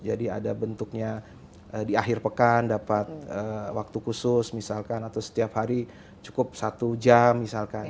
jadi ada bentuknya di akhir pekan dapat waktu khusus misalkan atau setiap hari cukup satu jam misalkan